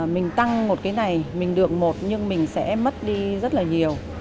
mình tăng một cái này mình được một nhưng mình sẽ mất đi rất là nhiều